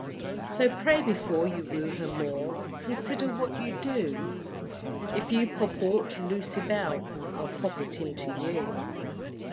So pray before you woo her more, Consider what you do; If you pop aught to Lucy Bell I'll pop it into you.